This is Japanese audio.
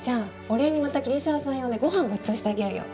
お礼にまた桐沢さん呼んでご飯ごちそうしてあげようよ。